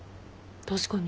確かに。